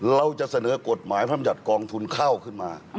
เราจะเสนอกฎหมายพัฒนามิจัตรย์จองกองค่าวขึ้นมา